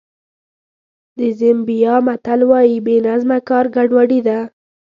د زیمبیا متل وایي بې نظمه کار ګډوډي ده.